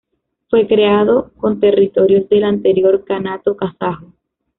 Fue creado con territorios del anterior Kanato Kazajo.